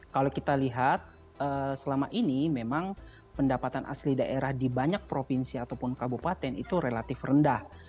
kalau kita lihat selama ini memang pendapatan asli daerah di banyak provinsi ataupun kabupaten itu relatif rendah